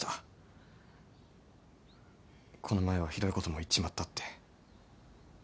この前はひどいことも言っちまったって。